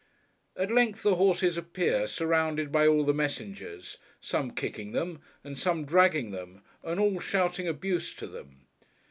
At length the horses appear, surrounded by all the messengers; some kicking them, and some dragging them, and all shouting abuse to them.